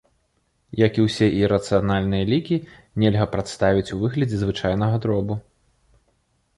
Як і ўсе ірацыянальныя лікі, нельга прадставіць у выглядзе звычайнага дробу.